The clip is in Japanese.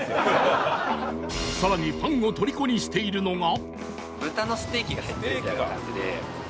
さらにファンをとりこにしているのが